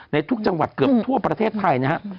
ในทุกจังหวัดเกือบทั่วประเทศไทยนะครับ